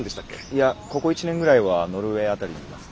いやここ１年ぐらいはノルウェー辺りにいますね。